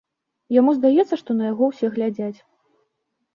Яму здаецца, што ўсе на яго глядзяць.